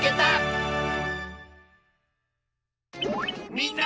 みんな！